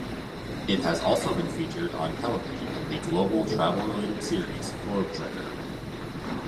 It has also been featured on television in the global travel-related series, "Globe Trekker".